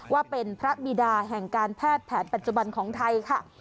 ว่าเป็นพระบิดาแห่งการแพทย์แผนปัจจุบันของไทยค่ะ